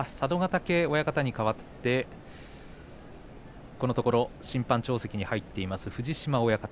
嶽親方にかわってこのところ審判長席に入っている藤島親方。